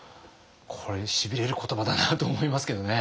これしびれる言葉だなと思いますけどね。